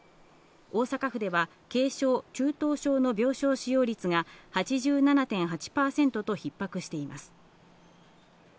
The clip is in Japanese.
大阪府では軽症・中等症の病床使用率が８７．８％と逼迫しています。